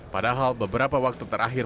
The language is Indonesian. padahal beberapa waktu terakhir